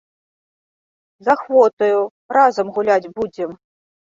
З ахвотаю, разам гуляць будзем.